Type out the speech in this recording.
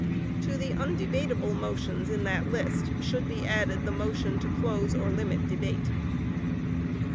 To the undebatable motions in that list, should be added the motion to close or limit debate.